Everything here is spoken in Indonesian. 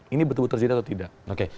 ini betul betul terjadi atau tidak